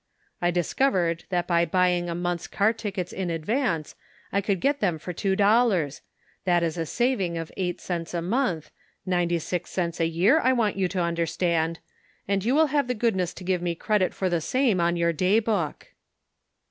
" I discovered that by bujring a month's car tickets in advance I could get them for two dollars ; that is a sav ing of eight cents a month, ninety six cents a year, I want you to understand, and you will have the goodness to give me credit for the same on your day book